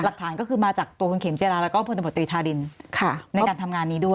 หลักฐานก็คือมาจากตัวคุณเข็มเจราแล้วก็พลตำรวจตรีธารินในการทำงานนี้ด้วย